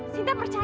sinta percaya itu